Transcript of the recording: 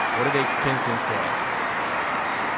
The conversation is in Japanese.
これで１点先制。